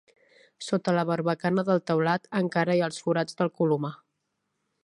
Sota la barbacana del teulat encara hi ha els forats del colomar.